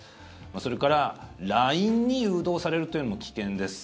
それから、ＬＩＮＥに誘導されるというのも危険です。